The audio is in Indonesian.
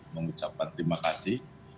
mengucapkan terima kasih